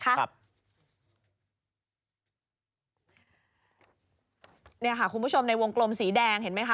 เนี่ยค่ะคุณผู้ชมในวงกลมสีแดงเห็นไหมคะ